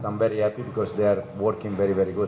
แต่นะครับเพิ่งลูกใครอยู่